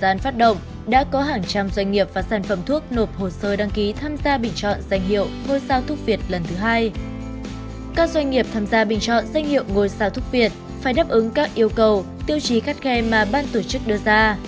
các doanh nghiệp tham gia bình chọn danh hiệu ngôi sao thúc việt phải đáp ứng các yêu cầu tiêu chí khắt khe mà ban tổ chức đưa ra